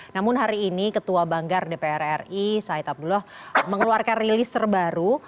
namun hari ini ketua banggar dpr ri said abdullah mengeluarkan rilis terbaru